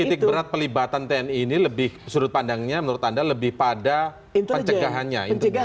jadi titik berat pelibatan tni ini lebih sudut pandangnya menurut anda lebih pada pencegahannya